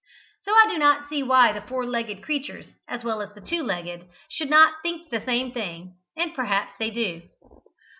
So I do not see why the four legged creatures, as well as the two legged, should not think the same thing, and perhaps they do.